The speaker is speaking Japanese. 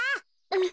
うん。